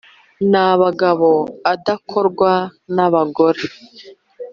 n’abagabo atakorwa na bagore